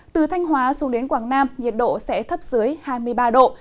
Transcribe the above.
từ thanh hóa xuống đến quảng nam nhiệt độ sẽ thấp dưới hai mươi ba độ